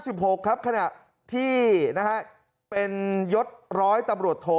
ปี๒๕๕๖ครับขณะที่เป็นยศร้อยตำรวจโท